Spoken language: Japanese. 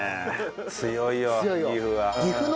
強いよ岐阜は。